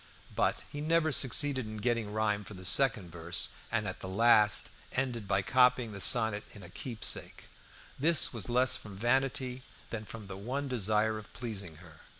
But he never succeeded in getting a rhyme for the second verse; and at last ended by copying a sonnet in a "Keepsake." This was less from vanity than from the one desire of pleasing her.